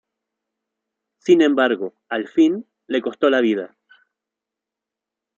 Sin embargo, al fin, le costó la vida.